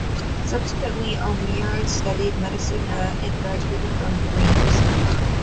Subsequently, O'Meara studied medicine at, and graduated from, Rheims.